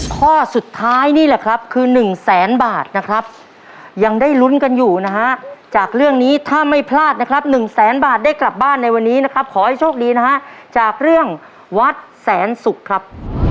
ข้อสุดท้ายนี่แหละครับคือ๑แสนบาทนะครับยังได้ลุ้นกันอยู่นะฮะจากเรื่องนี้ถ้าไม่พลาดนะครับ๑แสนบาทได้กลับบ้านในวันนี้นะครับขอให้โชคดีนะฮะจากเรื่องวัดแสนศุกร์ครับ